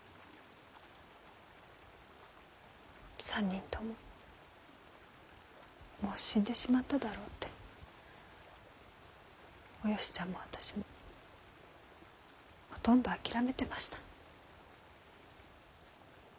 ３人とももう死んでしまっただろうっておよしちゃんも私もほとんど諦めてました。